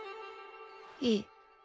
いい。